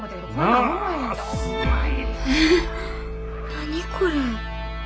何これ。